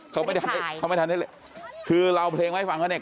เขาไม่ได้เขาไม่ทันได้คือเราเอาเพลงมาให้ฟังเขาเนี่ย